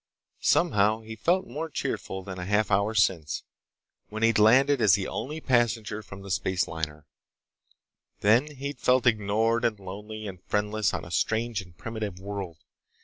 Somehow he felt more cheerful than a half hour since, when he'd landed as the only passenger from the space liner. Then he'd felt ignored and lonely and friendless on a strange and primitive world.